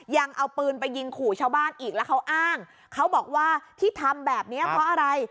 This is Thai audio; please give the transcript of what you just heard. ยังเอาปืนไปยิงขู่ชาวบ้านอีกแล้วเขาอ้างเขาบอกว่าที่ทำแบบนี้เพราะอะไร